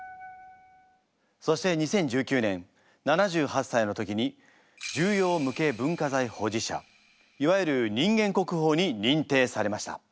そして２０１９年７８歳の時に重要無形文化財保持者いわゆる人間国宝に認定されました。